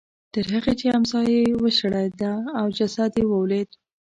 تر هغې چې امسا یې وشړېده او جسد یې ولوېد.